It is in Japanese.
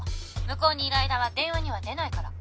向こうにいる間は電話には出ないから。